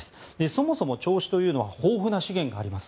そもそも銚子というのは豊富な資源があります。